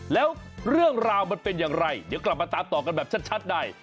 แล้วเรื่องราวมันเป็นอย่างไรเดี๋ยวกลับมาตามต่อกันแบบชัดใน